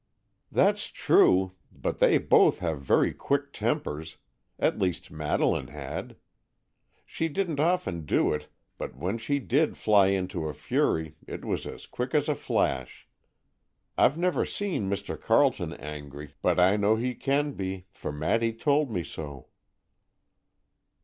"That's true; but they both have very quick tempers. At least Madeleine had. She didn't often do it, but when she did fly into a fury it was as quick as a flash. I've never seen Mr. Carleton angry, but I know he can be, for Maddy told me so."